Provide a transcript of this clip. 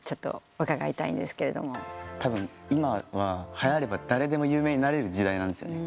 たぶん今ははやれば誰でも有名になれる時代なんですよね。